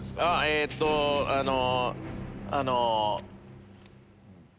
あのあの。